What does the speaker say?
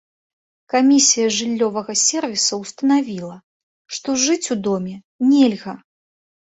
Камісія жыллёвага сервісу ўстанавіла, што жыць у доме нельга.